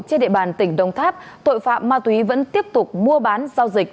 trên địa bàn tp đồng tháp tội phạm ma túy vẫn tiếp tục mua bán giao dịch